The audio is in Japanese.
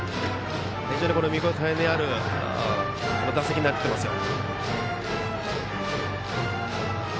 見応えのある打席になっていますよ。